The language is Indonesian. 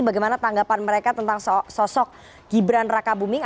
bagaimana tanggapan mereka tentang sosok gibran raka buming